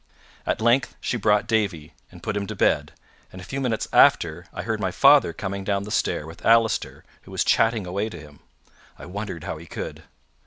At length she brought Davie, and put him to bed; and a few minutes after, I heard my father coming down the stair with Allister, who was chatting away to him. I wondered how he could.